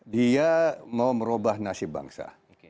dia mau merubah nasib bangsa